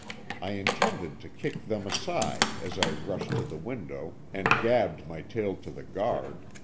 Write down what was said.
I intended to kick them aside as I rushed to the window and gabbled my tale to the guard.